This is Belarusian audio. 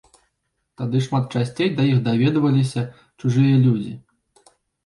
Тады шмат часцей да іх даведваліся чужыя людзі.